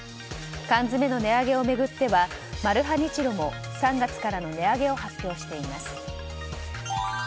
缶詰の値上げを巡ってはマルハニチロも３月からの値上げを発表しています。